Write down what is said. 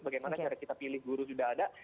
bagaimana cara kita pilih guru sudah ada